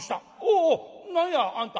お何やあんた。